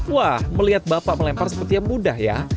wah melihat bapak melempar sepertinya mudah ya